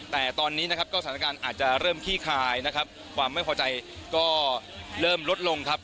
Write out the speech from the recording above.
แต่ตอนนี้นะครับก็สถานการณ์อาจจะเริ่มขี้คายนะครับความไม่พอใจก็เริ่มลดลงครับ